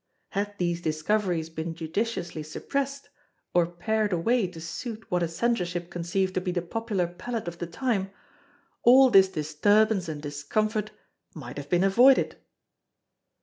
Had these discoveries been judiciously suppressed, or pared away to suit what a Censorship conceived to be the popular palate of the time, all this disturbance and discomfort might have been avoided.